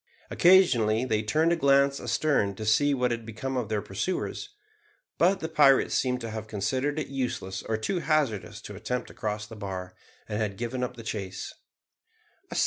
Occasionally they turned a glance astern to see what had become of their pursuers; but the pirates seemed to have considered it useless or too hazardous to attempt to cross the bar, and had given up the chase.